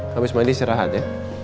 habis mandi siar siar hati ya